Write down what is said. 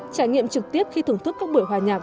trải nghiệm trực tiếp khi thưởng thức các buổi hòa nhạc